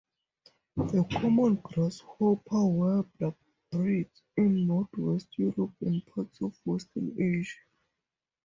The common grasshopper warbler breeds in north west Europe and parts of western Asia.